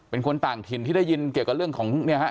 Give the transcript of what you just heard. เป็นคนต่างถิ่นที่ได้ยินเกี่ยวกับเรื่องของเนี่ยฮะ